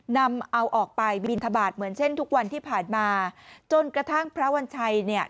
นำเอาออกไปบินทบาทเหมือนเช่นทุกวันที่ผ่านมาจนกระทั่งพระวัญชัยเนี่ย